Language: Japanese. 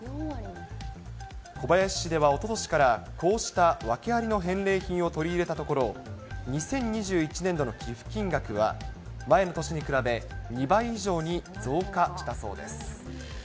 小林市ではおととしからこうした訳ありの返礼品を取り入れたところ、２０２１年度の寄付金額は、前の年に比べ２倍以上に増加したそうです。